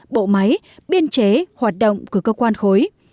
bộ máy biên chế hoạt động của cơ quan khối